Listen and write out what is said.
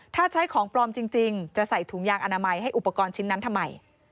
ถ้าใช้ของปลอมจริงจะใส่ถุงยางอนามัยให้อุปกรณ์ชิ้นนั้นทำไม